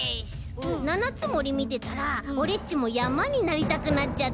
七ツ森みてたらオレっちもやまになりたくなっちゃって。